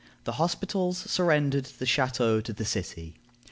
The hospitals surrendered the chateau to the city.